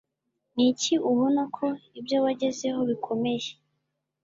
Niki ubona ko ibyo wagezeho bikomeye